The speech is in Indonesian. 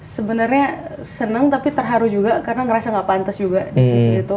sebenarnya senang tapi terharu juga karena ngerasa gak pantas juga di sisi itu